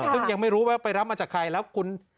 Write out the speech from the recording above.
ซึ่งยังไม่รู้ว่าไปรับมาจากใครแล้วคุณ